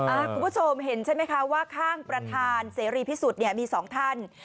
คุณผู้ชมเห็นใช่ไหมคะว่าข้างประธานเสรีพิสุทธิ์เนี่ยมีสองท่าน